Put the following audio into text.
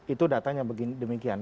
itu datanya demikian